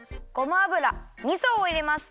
油みそをいれます。